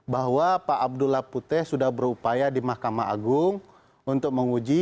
bahwa pak abdullah putih sudah berupaya di mahkamah agung untuk menguji